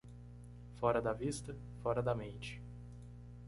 Fora da vista? fora da mente.